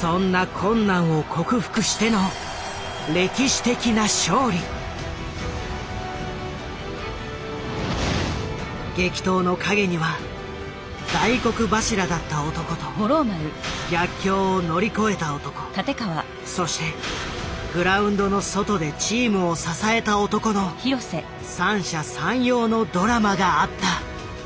そんな困難を克服しての激闘の陰には大黒柱だった男と逆境を乗り越えた男そしてグラウンドの外でチームを支えた男の三者三様のドラマがあった。